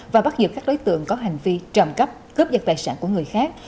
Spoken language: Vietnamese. và bắt giữ các đối tượng có hành vi trộm cắp cướp dật tài sản của người khác